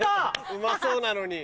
うまそうなのに。